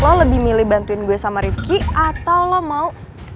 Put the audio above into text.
lo lebih milih bantuin gue sama rifki atau lo mau